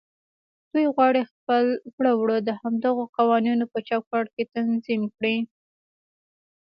دوی غواړي خپل کړه وړه د همدغو قوانينو په چوکاټ کې تنظيم کړي.